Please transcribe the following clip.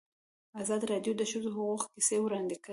ازادي راډیو د د ښځو حقونه کیسې وړاندې کړي.